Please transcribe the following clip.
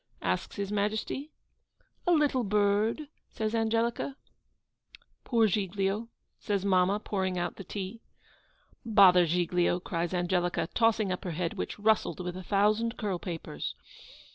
asks His Majesty. 'A little bird,' says Angelica. 'Poor Giglio!' says mamma, pouring out the tea. 'Bother Giglio!' cries Angelica, tossing up her head, which rustled with a thousand curl papers.